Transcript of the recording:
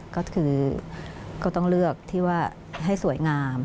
ก็คือก็ต้องเลือกที่ว่าให้สวยงาม